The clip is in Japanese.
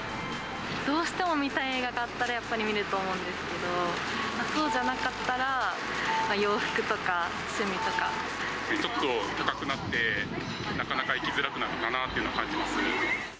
どうしても見たい映画だったら、やっぱり見ると思うんですけど、そうじゃなかったら、洋服とちょっと高くなって、なかなか行きづらくなったなっていうのを感じます。